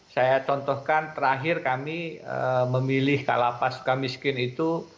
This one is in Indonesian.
saya contohkan terakhir kami memilih kalapas suka miskin itu